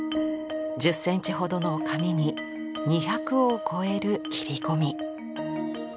１０ｃｍほどの紙に２００を超える切り込み。